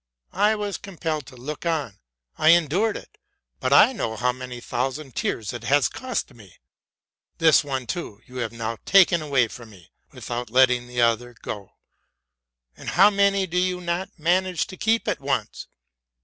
I was compelled to look on; I N's a cas * c RELATING TO MY LIFE. 329 endured it; but I know how many thousand tears it has cost me. This one, too, you have now taken away from me, with out letting the other go; and how many do you not manage to keep at once?